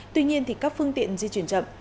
tuy nhiên thì các phương tiện di chuyển chậm